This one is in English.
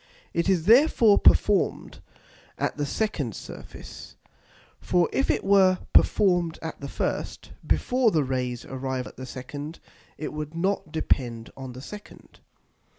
It is therefore perform'd at the second Surface; for if it were perform'd at the first, before the Rays arrive at the second, it would not depend on the second.